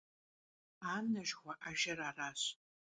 Анэ жыхуаӀэжыр аращ!